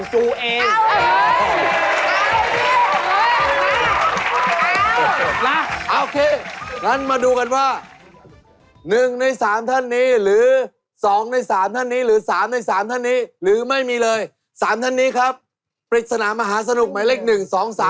หรือ๒ใน๓ท่านนี้หรือ๓ใน๓ท่านนี้หรือไม่มีเลย๓ท่านนี้ครับปริศนามหาสนุกมายเล่น๑๒๓